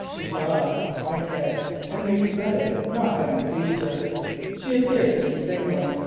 "She saw us," I said, and we regretted not having seized her. She appeared to be signalling.